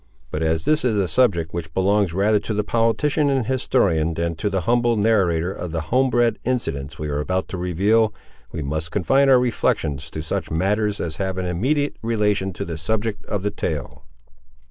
But as this is a subject which belongs rather to the politician and historian than to the humble narrator of the homebred incidents we are about to reveal, we must confine our reflections to such matters as have an immediate relation to the subject of the tale.